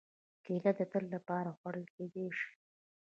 کېله د تل لپاره خوړل کېدای شي.